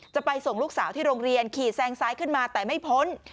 จะไปส่งลูกสาวที่โรงเรียนขี่แซงซ้ายขึ้นมาแต่ไม่พ้น